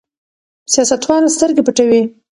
سیاستوال سترګې پټوي.